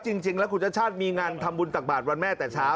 จริงแล้วคุณชาติชาติมีงานทำบุญตักบาทวันแม่แต่เช้า